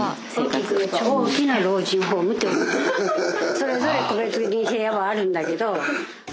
それぞれ個別に部屋はあるんだけど。